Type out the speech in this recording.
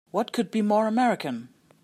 What could be more American!